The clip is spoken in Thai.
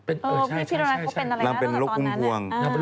เออพี่พิราณเขาเป็นอะไรนะตอนนั้นเนี่ย